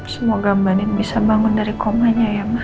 semoga mbak adin bisa bangun dari komanya ya ma